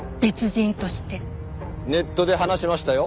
ネットで話しましたよ。